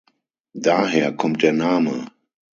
Daher kommt der Name.